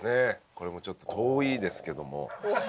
これもちょっと遠いですけども。